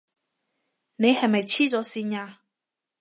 你係咪痴咗線呀？